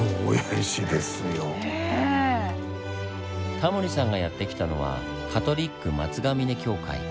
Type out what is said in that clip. タモリさんがやって来たのはカトリック松が峰教会。